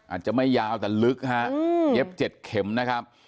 อาจจะไม่ยาวแต่ลึกฮะเย็บ๗เข็มนะครับ